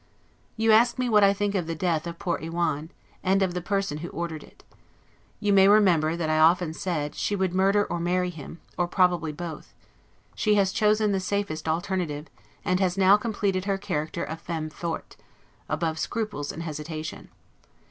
You ask me what I think of the death of poor Iwan, and of the person who ordered it. You may remember that I often said, she would murder or marry him, or probably both; she has chosen the safest alternative; and has now completed her character of femme forte, above scruples and hesitation.